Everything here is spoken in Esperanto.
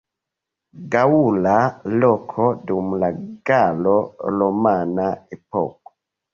Gaŭla loko dum la galo-romana epoko.